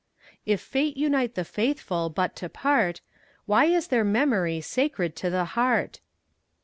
If fate unite the faithful but to part, Why is their memory sacred to the heart?